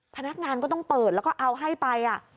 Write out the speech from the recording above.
พนักงานก็ต้องเปิดแล้วก็เอาให้ไป